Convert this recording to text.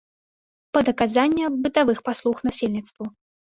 Пад аказанне бытавых паслуг насельніцтву.